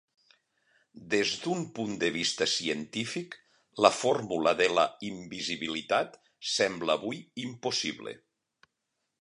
Des d'un punt de vista científic la fórmula de la invisibilitat sembla avui impossible.